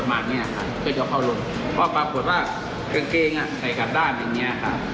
บังคุณว่าเกล็งใส่กลับด้านอย่างนี้